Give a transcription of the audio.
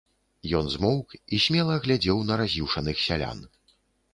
Ён змоўк і смела глядзеў на раз'юшаных сялян.